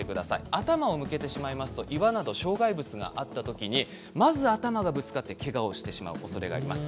頭を向けてしまうと岩など障害物があった時にまず頭がぶつかってけがをしてしまう時があります。